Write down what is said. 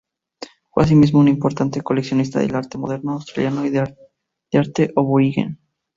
Fue asimismo un importante coleccionista de arte moderno australiano y de arte aborigen.